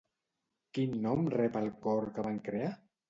Quin nom rep el cor que van crear?